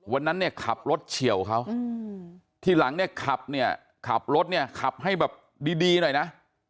วันนั้นเนี่ยขับรถเฉียวเขาทีหลังเนี่ยขับเนี่ยขับรถเนี่ยขับให้แบบดีหน่อยนะ